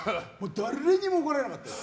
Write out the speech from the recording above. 誰にも怒られなかったよ。